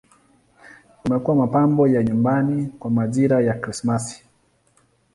Umekuwa mapambo ya nyumbani kwa majira ya Krismasi.